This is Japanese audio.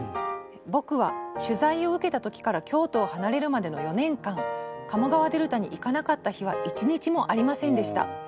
「僕は取材を受けた時から京都を離れるまでの４年間鴨川デルタに行かなかった日は一日もありませんでした。